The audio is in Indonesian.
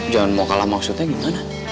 jangan mau kalah maksudnya gimana